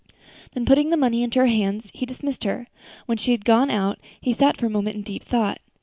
Then, putting the money into her hands, he dismissed her. When she had gone out he sat for a moment in deep thought.